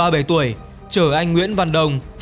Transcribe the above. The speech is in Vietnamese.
ba bề tuổi chở anh nguyễn văn đồng